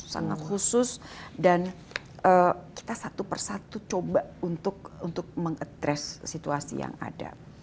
sangat khusus dan kita satu persatu coba untuk mengatres situasi yang ada